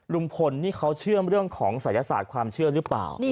ลุงพลนี่เขาเชื่อมเรื่องของศัยศาสตร์ความเชื่อหรือเปล่า